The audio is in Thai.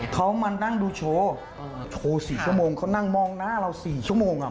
เขามานั่งดูโชว์โชว์๔ชั่วโมงเขานั่งมองหน้าเรา๔ชั่วโมง